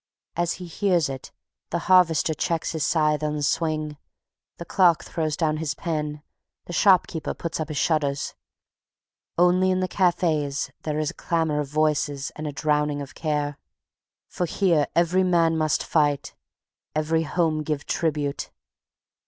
As he hears it the harvester checks his scythe on the swing; the clerk throws down his pen; the shopkeeper puts up his shutters. Only in the cafes there is a clamor of voices and a drowning of care. For here every man must fight, every home give tribute.